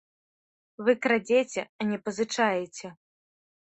Вы крадзеце, а не пазычаеце.